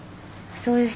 そういう人？